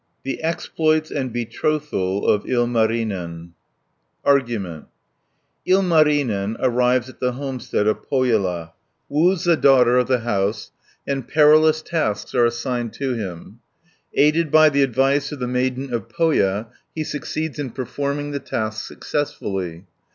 THE EXPLOITS AND BETROTHAL OF ILMARINEN Argument Ilmarinen arrives at the homestead of Pohjola, woos the daughter of the house, and perilous tasks are assigned to him (1 32). Aided by the advice of the Maiden of Pohja he succeeds in performing the tasks successfully.